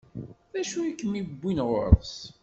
D acu i kem-iwwin ɣur-s?